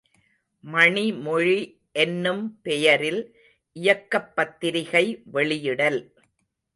● மணிமொழி என்னும் பெயரில் இயக்கப் பத்திரிகை வெளியிடல்.